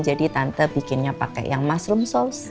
jadi tante bikinnya pakai yang mushroom saus